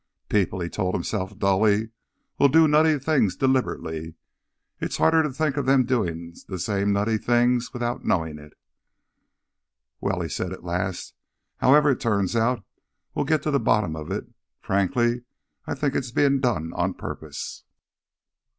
People, he told himself dully, will do nutty things deliberately. It's harder to think of them doing the same nutty things without knowing it. "Well," he said at last, "however it turns out, we'll get to the bottom of it. Frankly, I think it's being done on purpose."